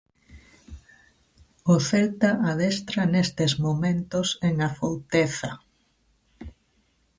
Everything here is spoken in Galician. O Celta adestra nestes momentos en Afouteza.